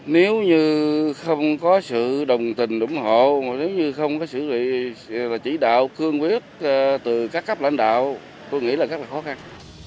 nếu như không có sự đồng tình ủng hộ mà nếu như không có sự chỉ đạo cương quyết từ các cấp lãnh đạo tôi nghĩ là rất là khó khăn